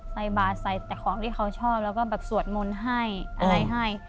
ใส่บาทใส่แต่ของที่เขาชอบแล้วก็แบบสวดมนต์ให้อะไรให้